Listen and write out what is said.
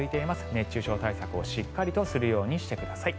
熱中症対策をしっかりとするようにしてください。